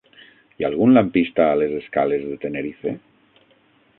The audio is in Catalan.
Hi ha algun lampista a les escales de Tenerife?